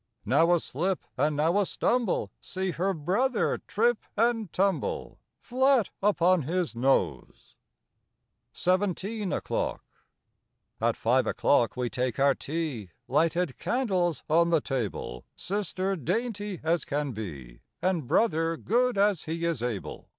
Now a slip and now a stumble— See her brother trip and tumble Elat upon his nose! 41 SIXTEEN O'CLOCK 43 SEVENTEEN O'CLOCK 4T five o'clock we take our tea; xX Lighted candles on the table. Sister dainty as can be, And Brother good as he is able.